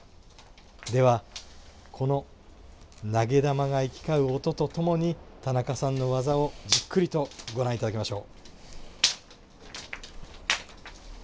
では、この投げ玉が行き交う音とともに田中さんの技をじっくりとご覧いただきましょう。